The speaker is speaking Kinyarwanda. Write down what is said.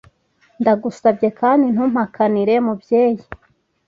ndagusabye kandi ntumpakanire mubyeyi